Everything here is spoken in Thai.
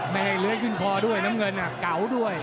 ไม่ให้เลื้อยขึ้นคอด้วยน้ำเงินเก่าด้วย